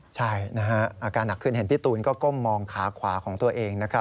ใช่อาการหนักขึ้นเห็นพี่ตูนก็ก้มมองขาขวาของตัวเองนะครับ